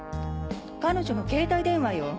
彼女の携帯電話よ。